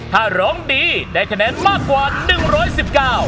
ถ้าร้องดีได้คะแนนมากกว่า๑๑๙